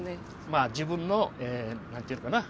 まあ自分の何て言うのかな？